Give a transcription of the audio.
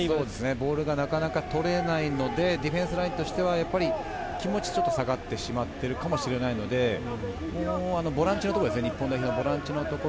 ボールがなかなか取れないのでディフェンスラインとしては気持ち、ちょっと下がっているかもしれないので、ボランチのところですよね。